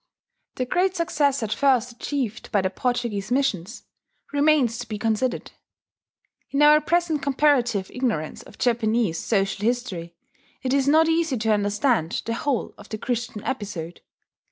The great success at first achieved by the Portuguese missions remains to be considered. In our present comparative ignorance of Japanese social history, it is not easy to understand the whole of the Christian episode.